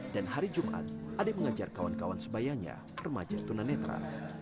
dan hari jumat adik mengajar kawan kawan sebayanya remaja tuan anadra